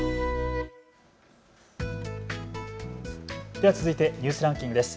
では続いてニュースランキングです。